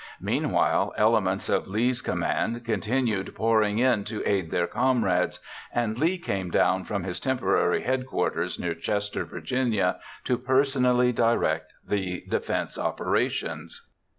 Meanwhile, elements of Lee's command continued pouring in to aid their comrades, and Lee came down from his temporary headquarters near Chester, Va., to personally direct the defense operations.